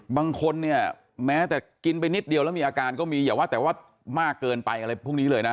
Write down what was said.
บางคนเนี่ยแม้แต่กินไปนิดเดียวแล้วมีอาการก็มีอย่าว่าแต่ว่ามากเกินไปอะไรพวกนี้เลยนะ